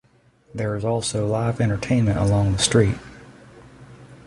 There is also live entertainment along the street.